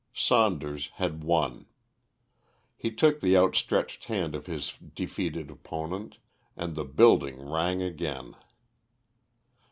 Saunders had won. He took the outstretched hand of his defeated opponent, and the building rang again.